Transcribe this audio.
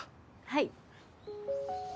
はい。